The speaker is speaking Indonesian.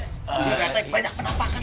pak rt banyak penampakan